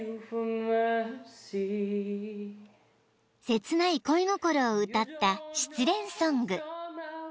［切ない恋心を歌った失恋ソング］